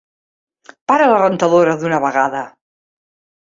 Para la rentadora d'una vegada!